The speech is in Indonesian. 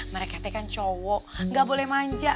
mereka tuh kan cowok gak boleh manja